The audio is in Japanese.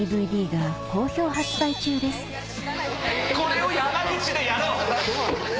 これを山口でやろう！